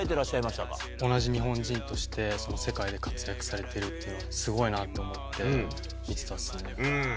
しゃ同じ日本人として世界で活躍されてるというのはすごいなと思って、見てたですね。